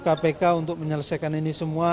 kita yakin kpk untuk menyelesaikan ini semua